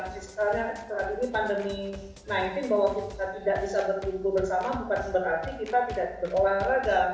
misalnya saat ini pandemi sembilan belas bahwa kita tidak bisa berkumpul bersama bukan berarti kita tidak berolahraga